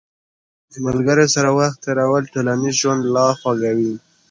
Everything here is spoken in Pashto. د ملګرو سره وخت تېرول ټولنیز ژوند لا خوږوي.